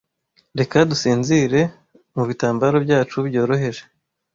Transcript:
reka dusinzire mu bitambaro byacu byoroheje